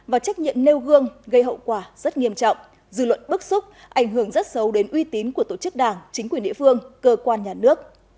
và trách nhiệm nêu gương gây hậu quả rất nghiêm trọng dư luận bức xúc ảnh hưởng rất sâu đến uy tín của tổ chức đảng chính quyền địa phương cơ quan nhà nước